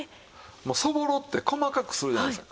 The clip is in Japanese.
そぼろって細かくするじゃないですか。